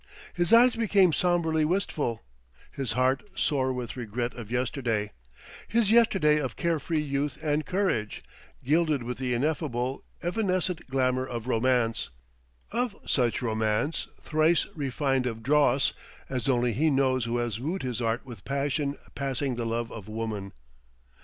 His eyes became somberly wistful, his heart sore with regret of Yesterday his Yesterday of care free youth and courage, gilded with the ineffable, evanescent glamour of Romance of such Romance, thrice refined of dross, as only he knows who has wooed his Art with passion passing the love of woman.